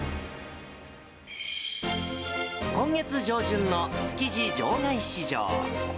今月上旬の築地場外市場。